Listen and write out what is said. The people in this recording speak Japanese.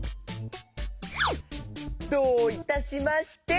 どういたしまして！